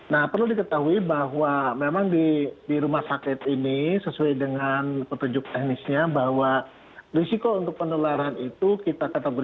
nah perlu diketahui bahwa memang di rumah sakit ini sesuai dengan petunjuk teknisnya bahwa risiko untuk penularan itu kita kategorikan